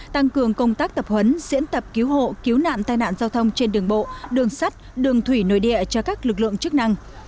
tăng cường công tác tập huấn diễn tập cứu hộ cứu nạn tai nạn giao thông trên đường bộ đường sắt đường thủy nội địa cho các lực lượng chức năng